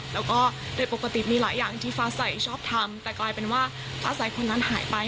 แล้วก็โดยปกติมีหลายอย่างที่ฟ้าใสชอบทำแต่กลายเป็นว่าฟ้าใสคนนั้นหายไป